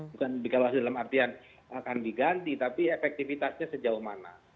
bukan dikawasi dalam artian akan diganti tapi efektifitasnya sejauh mana